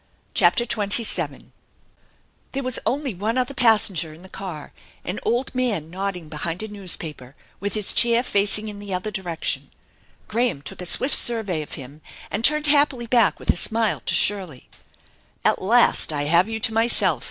CHAPTER XXVII THERE was only one other passenger in the car, an old man nodding behind a newspaper, with his chair facing in the other direction. Graham took a swift survey of him and turned happily back with a smile to Shirley : "At last I have you to myself